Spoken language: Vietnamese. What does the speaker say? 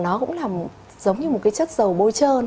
nó cũng là giống như một cái chất dầu bôi trơn